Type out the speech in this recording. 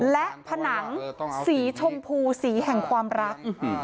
และผนังสีชมพูสีแห่งความรัก